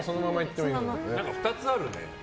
２つあるね。